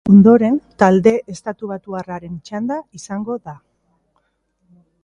Ondoren, talde estatubatuarraren txanda izango da.